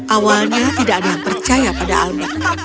awalnya tidak ada yang percaya pada almi